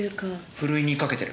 ふるいにかけてる。